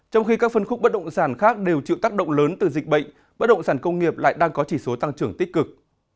trong khi các phân khúc bất động sản khác đều chịu tác động lớn từ dịch bệnh bất động sản công nghiệp lại đang có chỉ số tăng trưởng tích cực